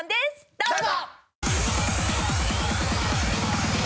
どうぞ！